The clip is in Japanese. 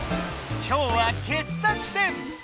今日は傑作選！